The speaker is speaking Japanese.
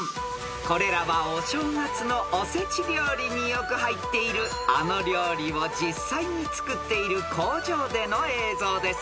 ［これらはお正月のお節料理によく入っているあの料理を実際に作っている工場での映像です］